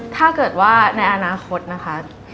ถ้าเกิดว่าในอนาคตนะคะ